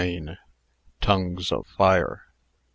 TONGUES OF FIRE.